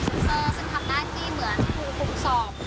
ซับเซอร์ซึ่งทำหน้าที่เหมือนภูมิภูมิสอบ